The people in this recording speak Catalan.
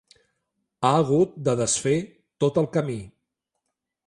Ha hagut de desfer tot el camí.